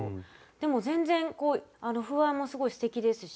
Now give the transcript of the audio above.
でも全然風合いもすごいすてきですし。